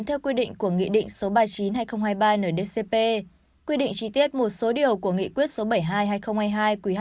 theo quy định của nghị định số ba mươi chín hai nghìn hai mươi ba ndcp quy định chi tiết một số điều của nghị quyết số bảy mươi hai hai nghìn hai mươi hai qh